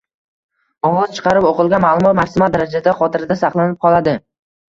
Ovoz chiqarib o'qilgan ma’lumot maksimal darajada xotirada saqlanib qoladi.